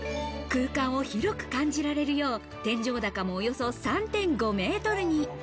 空間を広く感じられるよう天井高もおよそ３．５ｍに。